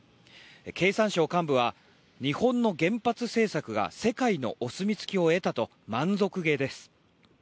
経産省幹部は日本の原発政策が世界のお墨付きを得たと満足げです。